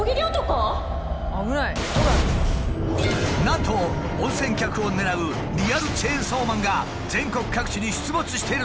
なんと温泉客を狙うリアルチェンソーマンが全国各地に出没しているというのだ。